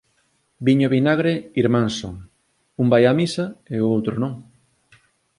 Viño e vinagre irmaus son: un vai á misa e o outro non